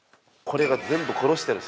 これが全部殺してる。